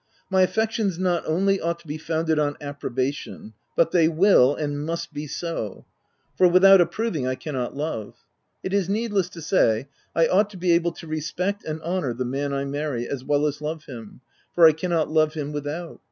My affections 276 THE TENANT not only ought to be founded on approbation, but they will and must be so : for without ap proving I cannot love. It is needless to say I ought to be able to respect and honour the man I marry as well as love him, for I cannot love him without.